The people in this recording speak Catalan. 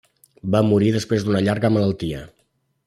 Va morir després d'una llarga malaltia.